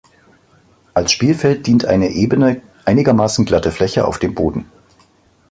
Als Spielfeld dient eine ebene, einigermaßen glatte Fläche auf dem Boden.